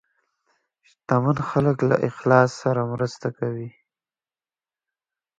شتمن خلک له اخلاص سره مرسته کوي.